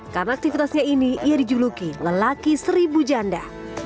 karena aktivitasnya ini ia dijuluki lelaki seribu janda